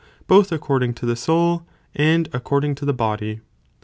both ac cording to the soul and according to the body.